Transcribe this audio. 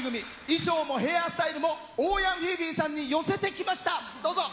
衣装もヘアスタイルも欧陽菲菲さんに寄せてきました。